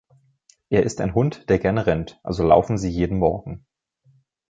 Er ist ein Hund, der gerne rennt, also laufen sie jeden Morgen.